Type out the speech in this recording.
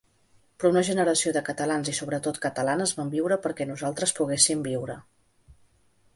Però una generació de catalans i sobretot catalanes van viure perquè nosaltres poguéssim viure.